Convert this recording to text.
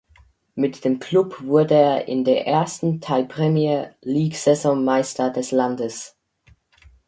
Mit dem Club wurde er in der ersten Thai Premier League–Saison Meister des Landes.